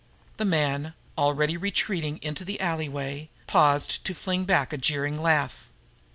The man, already retreating into the alleyway, paused to fling back a jeering laugh.